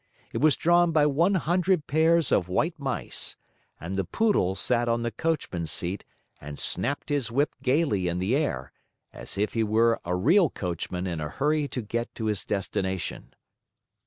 It was drawn by one hundred pairs of white mice, and the Poodle sat on the coachman's seat and snapped his whip gayly in the air, as if he were a real coachman in a hurry to get to his destination.